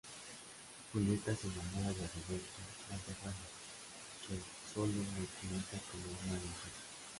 Julieta se enamora de Roberto Valderrama, quien sólo la utiliza como una aventura.